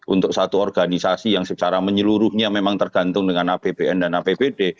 untuk satu organisasi yang secara menyeluruhnya memang tergantung dengan apbn dan apbd